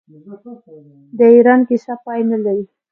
د ایران کیسه پای نلري.